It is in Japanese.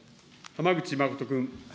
浜口誠君。